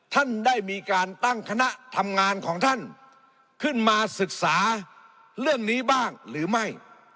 ท่านได้มีการตั้งคณะทำงานของท่านขึ้นมาศึกษาเรื่องนี้บ้างหรือไม่